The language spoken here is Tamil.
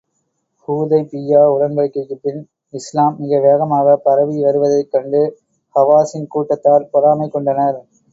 ஹுதைபிய்யா உடன்படிக்கைக்குப் பின், இஸ்லாம் மிக வேகமாகப் பரவி வருவதைக் கண்டு ஹவாஸின் கூட்டத்தார், பொறாமை கொண்டனர்.